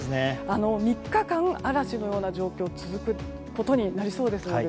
３日間、嵐のような状況が続くことになりそうですので